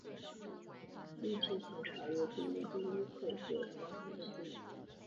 具体请查阅《哔哩哔哩合作方目录》。